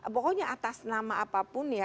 pokoknya atas nama apapun ya